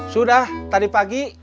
sudah tadi pagi